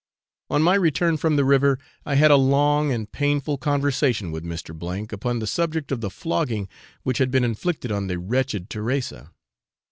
On my return from the river I had a long and painful conversation with Mr. upon the subject of the flogging which had been inflicted on the wretched Teresa.